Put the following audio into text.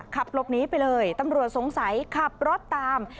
ขับหลบหนีไปเลยตำรวจสงสัยขับรถตาม